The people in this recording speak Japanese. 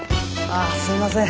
あすいません。